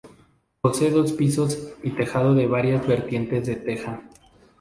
Posee dos pisos y tejado de varias vertientes de teja.